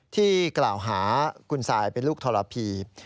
ที่กล่าวหาคุณซายเป็นลูกทรพี